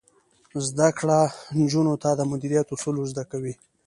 زده کړه نجونو ته د مدیریت اصول ور زده کوي.